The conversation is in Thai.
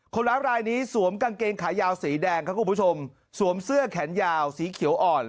คนร้ายรายนี้สวมกางเกงขายาวสีแดงครับคุณผู้ชมสวมเสื้อแขนยาวสีเขียวอ่อน